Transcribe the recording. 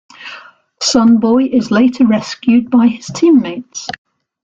Sun Boy is later rescued by his teammates.